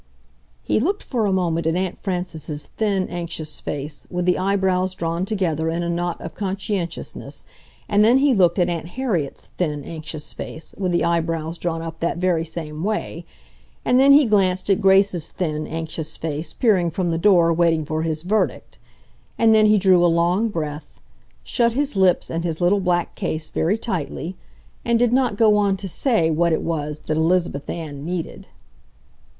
—he looked for a moment at Aunt Frances's thin, anxious face, with the eyebrows drawn together in a knot of conscientiousness, and then he looked at Aunt Harriet's thin, anxious face with the eyebrows drawn up that very same way, and then he glanced at Grace's thin, anxious face peering from the door waiting for his verdict—and then he drew a long breath, shut his lips and his little black case very tightly, and did not go on to say what it was that Elizabeth Ann needed.